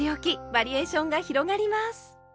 バリエーションが広がります！